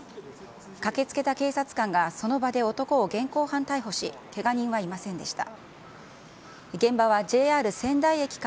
駆けつけた警察官がその場で男を現行犯逮捕し、けが人はいませんでした。